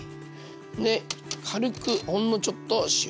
で軽くほんのちょっと塩。